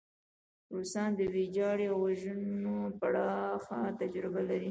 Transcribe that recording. روسان د ویجاړۍ او وژنو پراخه تجربه لري.